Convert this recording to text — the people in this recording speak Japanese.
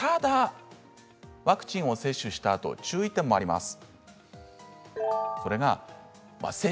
ワクチンを接種したあとの注意点もあります。